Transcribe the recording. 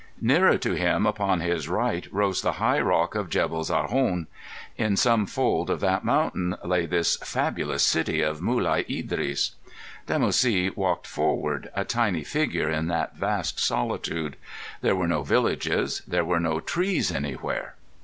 Nearer to him upon his right rose the high rock of Jebel Zarhon. In some fold of that mountain lay this fabulous city of Mulai Idris. Dimoussi walked forward, a tiny figure in that vast solitude. There were no villages, there were no trees anywhere.